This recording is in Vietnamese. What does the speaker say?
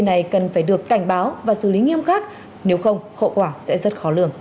trình cần phải được cảnh báo và xử lý nghiêm khắc nếu không khổ quả sẽ rất khó lương